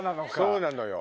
そうなのよ。